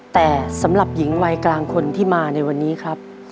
แต่สำหรับหญิงวัยกลางคนที่มาในวันนี้ครับ